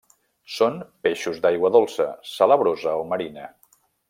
Són peixos d'aigua dolça, salabrosa o marina.